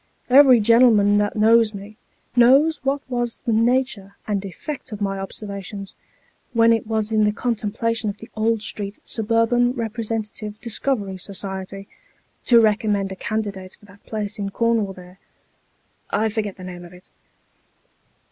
Every gen'lem'n that knows me, knows what was the nature and effect of my observations, when it was in the contemplation of the Old Street Suburban Eepresentative Discovery Society, to recommend a candidate for that place in Cornwall there I forget the name of it.